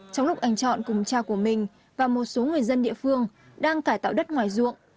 trong lúc anh chọn cùng cha của mình và một số người dân địa phương đang cải tạo đất ngoài ruộng